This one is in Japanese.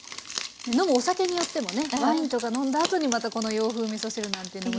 飲むお酒によってもねワインとか飲んだあとにまたこの洋風みそ汁なんてのもいいかもしれないですね。